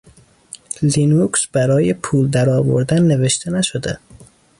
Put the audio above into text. لینوکس برای پول درآوردن نوشته نشده.